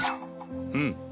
うん。